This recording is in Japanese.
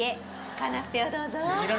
カナッペをどうぞ。